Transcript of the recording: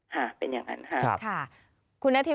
ค่ะเป็นอย่างนั้นค่ะ